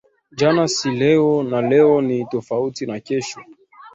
Jana si leo na leo ni tofauti na kesho